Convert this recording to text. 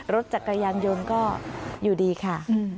รถจากกระยางยงก็อยู่ดีค่ะ